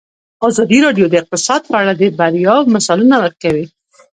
ازادي راډیو د اقتصاد په اړه د بریاوو مثالونه ورکړي.